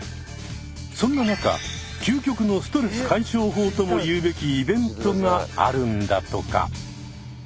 そんな中究極のストレス解消法ともいうべきイベントがあるんだとか。